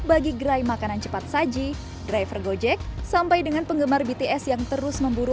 bagi gerai makanan cepat saji driver gojek sampai dengan penggemar bts yang terus memburu